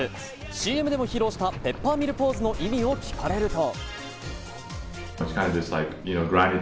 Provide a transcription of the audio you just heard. ＣＭでも披露したペッパーミルポーズの意味を聞かれると。